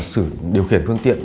sự điều khiển phương tiện